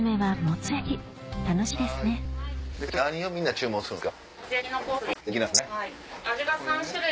ちなみに何をみんな注文するんすか？